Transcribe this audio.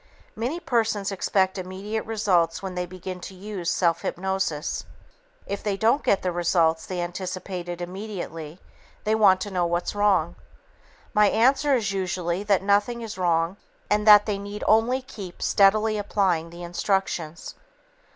Many persons expect immediate results when they begin to use self hypnosis. If they don't get the results they anticipated immediately, they want to know "what's wrong?" My answer is usually that "nothing is wrong" and that they need only keep steadily applying the instructions.